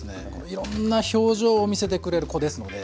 いろんな表情を見せてくれる子ですので。